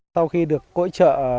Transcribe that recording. sau khi được hỗ trợ